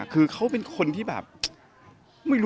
คือเขาเป็นคนที่แบบ